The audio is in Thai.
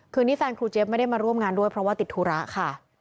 คืนนี้แฟนครูเจี๊ยบไม่ได้มาร่วมงานด้วยเพราะว่าติดธุระค่ะ